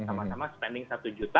sama sama spending satu juta